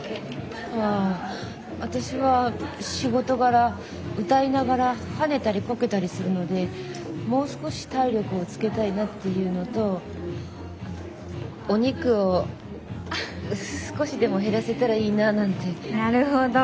あ私は仕事柄歌いながら跳ねたりコケたりするのでもう少し体力をつけたいなっていうのとお肉を少しでも減らせたらいいなぁなんて。なるほど。